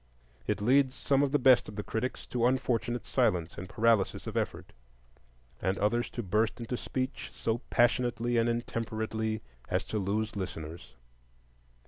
It leads some of the best of the critics to unfortunate silence and paralysis of effort, and others to burst into speech so passionately and intemperately as to lose listeners.